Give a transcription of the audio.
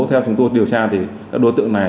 theo chúng tôi điều tra thì các đối tượng này